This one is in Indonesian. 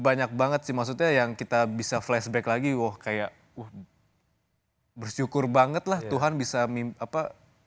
banyak banget sih maksudnya yang kita bisa flashback lagi wah kayak bersyukur banget lah tuhan bisa apa